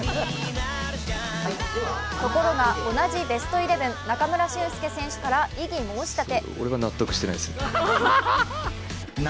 ところが同じベストイレブン、中村俊輔選手から異義申し立て。